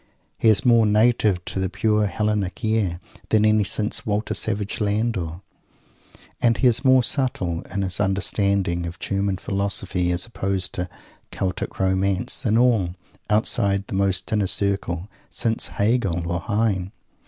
He is more native to the pure Hellenic air than any since Walter Savage Landor. And he is more subtle, in his understanding of "German Philosophy" as opposed to "Celtic Romance," than all outside the most inner circles since Hegel or Heine!